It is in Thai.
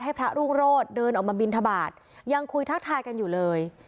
พระรุ่งโรธเดินออกมาบินทบาทยังคุยทักทายกันอยู่เลย